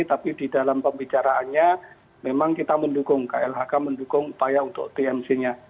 tapi di dalam pembicaraannya memang kita mendukung klhk mendukung upaya untuk tmc nya